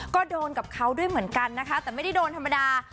ก็โดนกับเขาด้วยเหมือนกันนะคะแต่ไม่ได้โดนธรรมดา